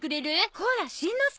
コラしんのすけ！